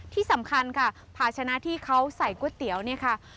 ที่สำคัญค่ะภาชนะที่เขาใส่ก๋วยเตี๋ยวเนี่ยค่ะ